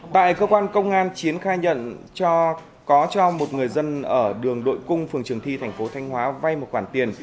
tại cơ quan công an chiến khai nhận có cho một người dân ở đường đội cung phường trường thi tp thanh hóa vay một quản tiền